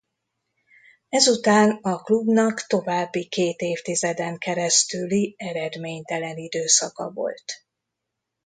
Ezután a klubnak további két évtizeden keresztüli eredménytelen időszaka volt.